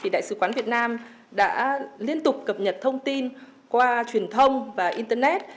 đại sứ quán việt nam đã liên tục cập nhật thông tin qua truyền thông và internet